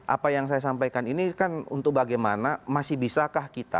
apa yang saya sampaikan ini kan untuk bagaimana masih bisakah kita